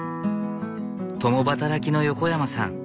共働きの横山さん。